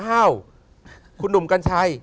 อ้าวคุณหนุ่มกัญชัย